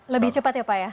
lebih cepat ya pak ya